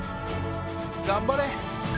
頑張れ！